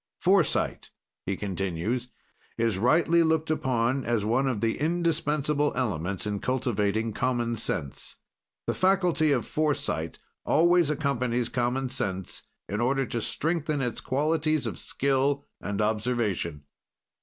"Foresight," he continues, "is rightly looked upon as one of the indispensable elements in cultivating common sense. "The faculty of foresight always accompanies common sense, in order to strengthen its qualities of skill and observation.